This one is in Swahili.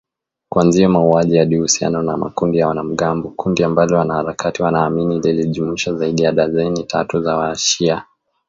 Kuanzia mauaji hadi uhusiano na makundi ya wanamgambo, kundi ambalo wanaharakati wanaamini lilijumuisha zaidi ya dazeni tatu za washia